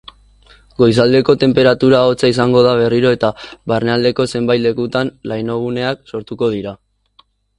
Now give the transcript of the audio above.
Goizaldeko tenperatura hotza izango da berriro eta barnealdeko zenbait lekutan lainoguneak sortuko dira.